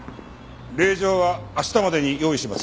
令状は明日までに用意します。